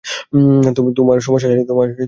তোমার সমস্যা আছে?